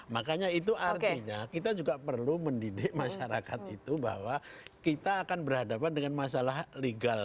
makanya itu artinya kita juga perlu mendidik masyarakat itu bahwa kita akan berhadapan dengan masalah legal